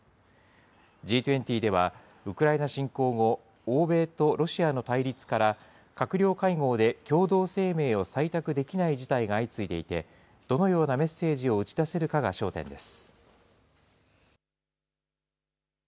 Ｇ２０では、ウクライナ侵攻後、欧米とロシアの対立から閣僚会合で共同声明を採択できない事態が相次いでいて、どのようなメッセージを打ち出せるかが焦点です。